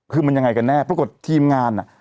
คือมันยังไงกันแน่ปรากฏทีมงานอ่ะ